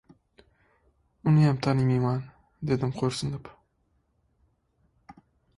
— Uniyam tanimayman! — dedim xo‘rsinib.